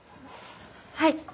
はい。